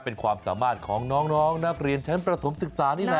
เป็นความสามารถของน้องนักเรียนชั้นประถมศึกษานี่แหละ